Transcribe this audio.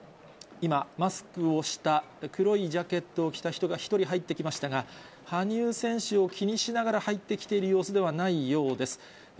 今、マスクをした黒いジャケットを着た人が１人入ってきましたが、羽生選手を気にしながら入ってきている様子ではないようです。